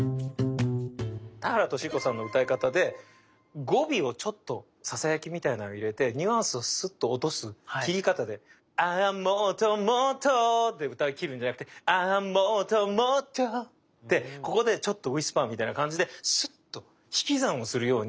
田原俊彦さんの歌い方で語尾をちょっとささやきみたいなのを入れてニュアンスをスッと落とす切り方でアァもっともっとで歌いきるんじゃなくてアァもっともっとでここでちょっとウィスパーみたいな感じでスッと引き算をするように言葉を引く。